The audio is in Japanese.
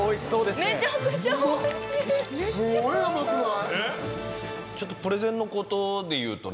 すごい甘くない！？